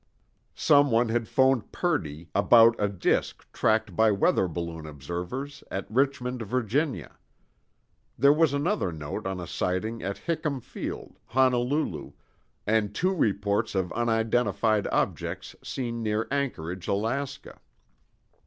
Someone had phoned Purdy about a disk tracked by weather balloon observers at Richmond, Virginia. There was another note on a sighting at Hickam Field, Honolulu, and two reports of unidentified objects seen near Anchorage, Alaska.